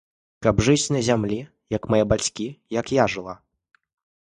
Каб жыць на зямлі, як мае бацькі, як я жыла.